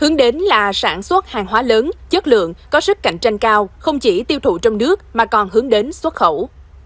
hướng đến là sản xuất hàng hóa lớn chất lượng có sức cạnh tranh cao không chỉ tiêu thụ trong nước mà còn hướng đến xuất khẩu